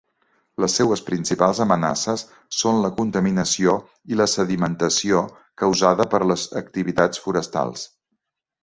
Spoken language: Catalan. Les seues principals amenaces són la contaminació i la sedimentació causada per les activitats forestals.